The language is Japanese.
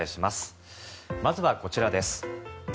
まずはこちらです。